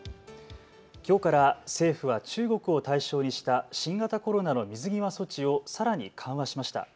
きょうから政府は中国を対象にした新型コロナの水際措置をさらに緩和しました。